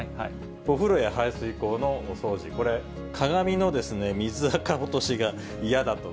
お風呂や排水口のお掃除、これ、鏡の水あか落としが嫌だと。